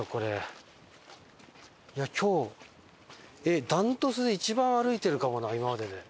いや今日断トツで一番歩いてるかもな今までで。